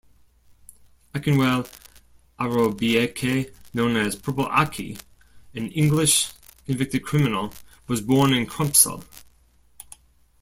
Akinwale Arobieke known as Purple Aki, an English convicted criminal was born in Crumpsall.